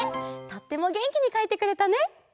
とってもげんきにかいてくれたね！